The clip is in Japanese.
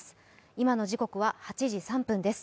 今の時刻は８時３分です。